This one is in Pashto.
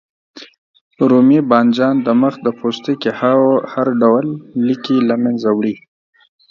رومي بانجان د مخ د پوستکي هر ډول لکې له منځه وړي.